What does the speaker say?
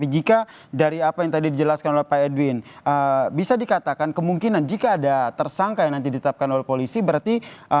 jika dari apa yang tadi dijelaskan oleh pak edwin bisa dikatakan kemungkinan jika ada tersangka yang nanti ditetapkan oleh polisi berarti